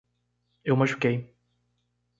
Eu machuquei